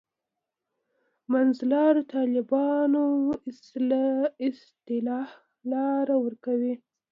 منځلارو طالبانو اصطلاح لاره ورکوي.